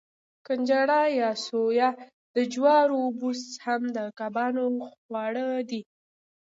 کنجاړه یا سویا او د جوارو بوس هم د کبانو خواړه دي.